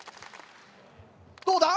どうだ。